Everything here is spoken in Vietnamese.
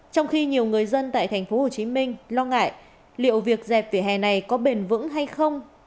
trong khi nhiều người dân tại tp hcm lo ngại liệu việc dẹp vỉa hè này có bền vững hay không